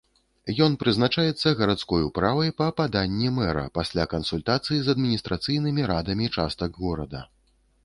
Ён прызначаецца гарадской управай па паданні мэра пасля кансультацый з адміністрацыйнымі радамі частак горада.